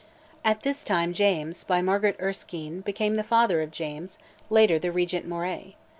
At this time James, by Margaret Erskine, became the father of James, later the Regent Moray.